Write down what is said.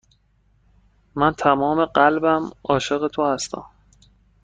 من تمام قلبم عاشق تو هستم.